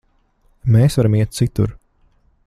Mēs varam iet citur.